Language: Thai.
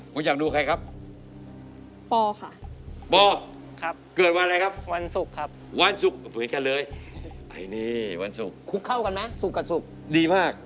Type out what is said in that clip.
ผมอยากดูใครครับ